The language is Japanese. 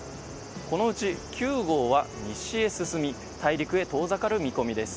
このうち９号は西へ進み大陸へ遠ざかる見込みです。